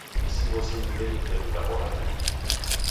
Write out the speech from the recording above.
Isi w'ose nyumbenyi pedu daboragha nicha.